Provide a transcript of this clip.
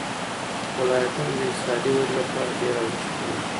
ولایتونه د اقتصادي ودې لپاره ډېر ارزښت لري.